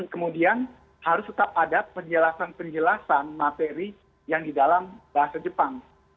kemudian harus tetap ada penjelasan penjelasan materi yang di dalam bahasa jepang